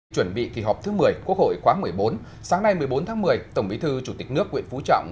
chuẩn bị kỳ họp thứ một mươi quốc hội khóa một mươi bốn sáng nay một mươi bốn tháng một mươi tổng bí thư chủ tịch nước nguyễn phú trọng